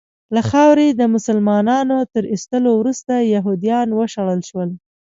له خاورې د مسلنانو تر ایستلو وروسته یهودیان وشړل شول.